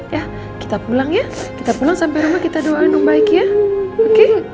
ya kita pulang ya kita pulang sampai rumah kita doain oma baik ya oke